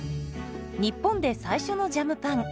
日本で最初のジャムパン。